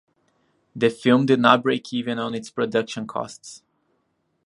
The film did not break even on its production costs.